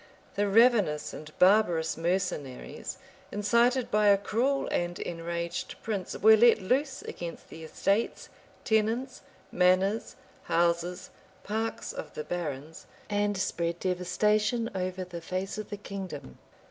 The ravenous and barbarous mercenaries, incited by a cruel and enraged prince were let loose against the estates, tenants, manors, houses, parks of the barons, and spread devastation over the face of the kingdom.